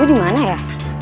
ibu dimana ya